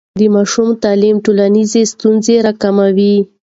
د ماشوم تعلیم ټولنیزې ستونزې راکموي.